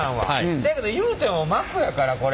せやけどいうても膜やからこれ。